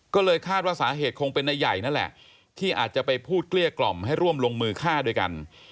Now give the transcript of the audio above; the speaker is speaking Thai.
ก็เลยคาดว่าสาเหตุคงเป็นนายใหญ่นั่นแหละที่อาจจะไปพูดเกลี้ยกล่อมให้ร่วมลงมือฆ่าด้วยกัน